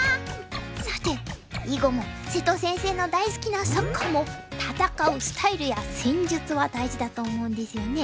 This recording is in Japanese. さて囲碁も瀬戸先生の大好きなサッカーも戦うスタイルや戦術は大事だと思うんですよね。